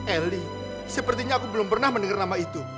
eli sepertinya aku belum pernah mendengar nama itu